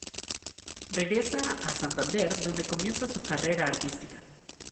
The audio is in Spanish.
Regresa a Santander donde comienza su carrera artística.